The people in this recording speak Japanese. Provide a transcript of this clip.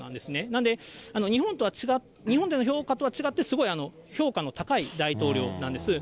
なんで、日本での評価とは違って、すごい評価の高い大統領なんです。